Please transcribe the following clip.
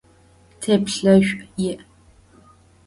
Теплъэшӏу иӏ.